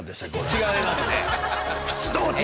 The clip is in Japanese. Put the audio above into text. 違いますね。